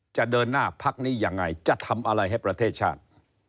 จะเดินหน้าพักนี้ยังไงจะทำอะไรให้ประเทศชาติ